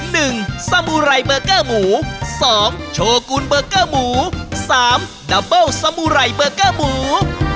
นึงสมุไรเบอร์เกอร์หมู๒โชว์กุลเบอร์เกอร์หมู๓ดับเบอร์เกอร์หมู